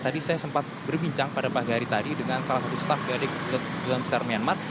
tadi saya sempat berbincang pada pagi hari tadi dengan salah satu staff dari kedudukan besar myanmar